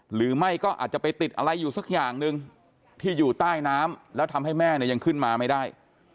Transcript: หรือไม่ก็อาจจะไปติดอะไรอยู่สักอย่างหนึ่งที่อยู่ใต้น้ำแล้วทำให้แม่เนี่ยยังขึ้นมาไม่ได้